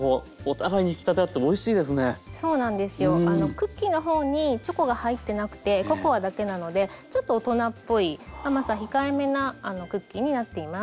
クッキーの方にチョコが入ってなくてココアだけなのでちょっと大人っぽい甘さ控えめなクッキーになっています。